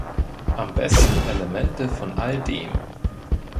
Am besten Elemente von all dem!